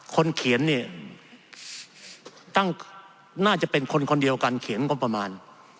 คนเขียนเนี่ยตั้งน่าจะเป็นคนคนเดียวกันเขียนงบประมาณ